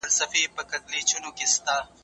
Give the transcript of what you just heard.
چیرته کولای سو نړیوال بانک په سمه توګه مدیریت کړو؟